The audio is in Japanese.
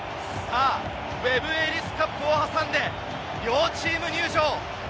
ウェブ・エリス・カップを挟んで両チーム入場。